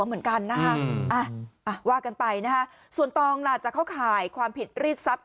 เหมือนกันนะคะว่ากันไปนะฮะส่วนตองล่ะจะเข้าข่ายความผิดรีดทรัพย